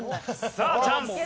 さあチャンス！